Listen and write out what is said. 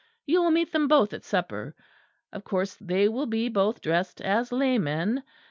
You will meet them both at supper: of course they will be both dressed as laymen.